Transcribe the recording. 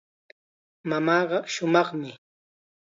Mamaaqa shumaqmi.